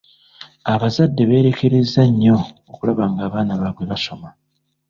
Abazadde beerekereza nnyo okulaba ng'abaana baabwe basoma.